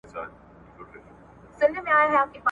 دا یې ګز دا یې میدان !.